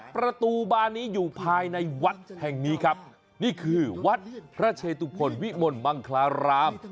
ประตูบานนี้อยู่ภายในวัดแห่งนี้ครับนี่คือวัดพระเชตุพลวิมลมังคลาราม